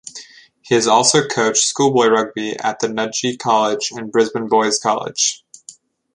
He has also coached schoolboy rugby at Nudgee College and Brisbane Boys College.